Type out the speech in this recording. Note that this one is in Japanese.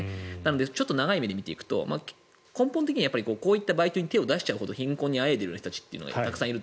長い目で見ていくと根本的にはこういったバイトに手を出すくらい貧困にあえいでいる人たちがたくさんいると。